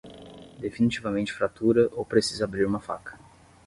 Definitivamente fratura ou precisa abrir uma faca